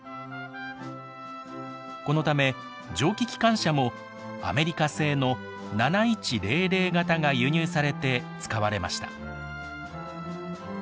このため蒸気機関車もアメリカ製の７１００形が輸入されて使われました。